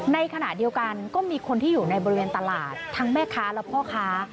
ในขณะเดียวกันก็มีคนที่อยู่ในบริเวณตลาดทั้งแม่ค้าและพ่อค้า